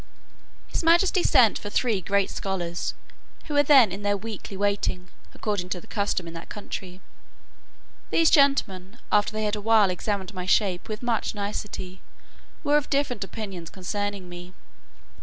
His majesty sent for three great scholars, who were then in their weekly waiting, according to the custom in that country. These gentlemen, after they had a while examined my shape with much nicety, were of different opinions concerning me.